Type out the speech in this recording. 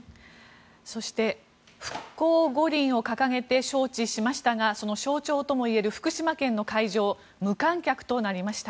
そして復興五輪を掲げて招致しましたがその象徴ともいえる福島県の会場は無観客となりました。